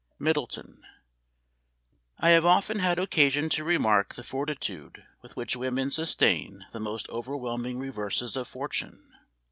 MIDDLETON. I HAVE often had occasion to remark the fortitude with which women sustain the most overwhelming reverses of fortune.